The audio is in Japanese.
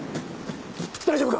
大丈夫か？